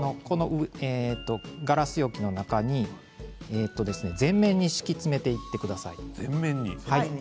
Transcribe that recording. ガラス容器の中に全面に敷き詰めていってください。